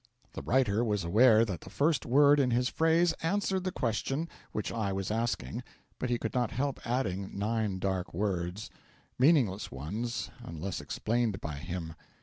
The writer was aware that the first word in his phrase answered the question which I was asking, but he could not help adding nine dark words. Meaningless ones, unless explained by him.